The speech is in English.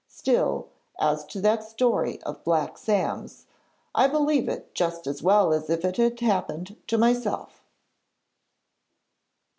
Still, as to that story of Black Sam's, I believe it just as well as if it had happened to myself.'